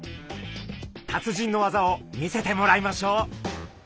達人の技を見せてもらいましょう。